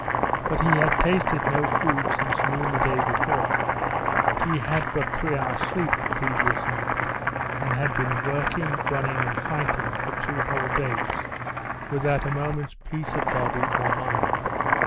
But he had tasted no food since noon the day before: he had but three hours' sleep the previous night, and had been working, running, and fighting for two whole days without a moment's peace of body or mind.